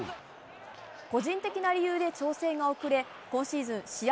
個人的な理由で調整が遅れ今シーズン試合